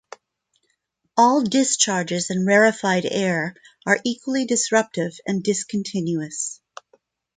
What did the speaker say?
All discharges in rarefied air are equally disruptive and discontinuous.